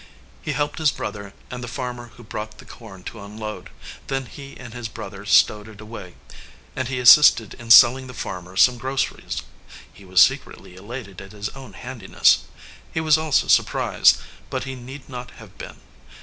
He helped his brother and the farmer who brought the corn to unload ; then he and his brother stowed it away, and he assisted in selling the far mer some groceries. He was secretly elated at his own handiness. He was also surprised, but he need not have been.